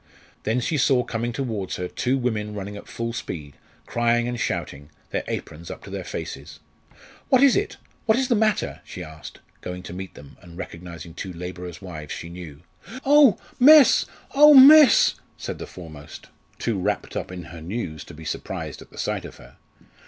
Then she saw coming towards her two women running at full speed, crying and shouting, their aprons up to their faces. "What is it? What is the matter?" she asked, going to meet them, and recognising two labourers' wives she knew. "Oh! miss oh! miss!" said the foremost, too wrapt up in her news to be surprised at the sight of her.